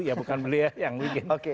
ya bukan beliau yang mungkin